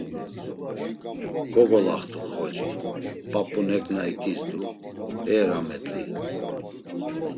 Kogolaxt̆u xoci, p̌ap̌u neǩna eǩizdu, e rametli!